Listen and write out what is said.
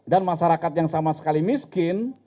masyarakat yang sama sekali miskin